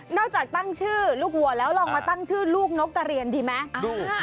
จากตั้งชื่อลูกวัวแล้วลองมาตั้งชื่อลูกนกกระเรียนดีไหม